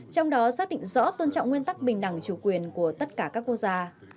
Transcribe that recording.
trong đó xác định rõ tôn trọng nguyên tắc bình đẳng chủ quyền của tất cả các quốc gia